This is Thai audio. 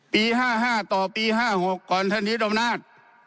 ปี๕๕ต่อปี๕๖ก่อนท่านยึดอำนาจ